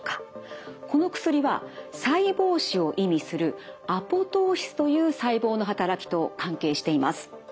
この薬は細胞死を意味するアポトーシスという細胞の働きと関係しています。